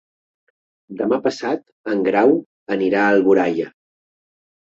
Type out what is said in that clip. Demà passat en Grau anirà a Alboraia.